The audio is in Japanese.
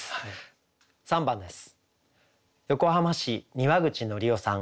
３番です。